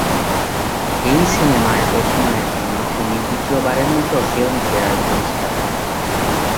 এই সিনেমায় অভিনয়ের জন্য তিনি দ্বিতীয়বারের মত ফিল্মফেয়ার পুরস্কার পান।